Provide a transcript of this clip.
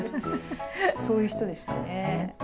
そういう人でしたね。